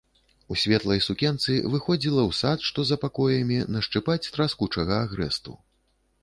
У светлай сукенцы выходзіла ў сад, што за пакоямі, нашчыпаць траскучага агрэсту.